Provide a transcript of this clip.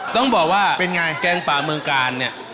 ต้องบอกว่าแกงป่าเมืองกาลเนี่ย